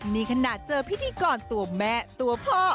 นี่ขนาดเจอพิธีกรตัวแม่ตัวพ่อ